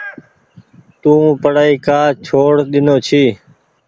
تو پڙآئي ڪآ ڇوڙ ۮينو ڇي۔